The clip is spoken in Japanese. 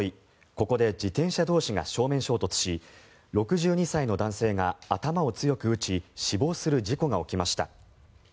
ここで自転車同士が正面衝突し６２歳の男性が頭を強く打ち死亡する事故が起きました。